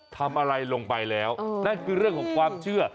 ทำอะไรลงไปแล้วนั่นคือเรื่องของความเชื่อ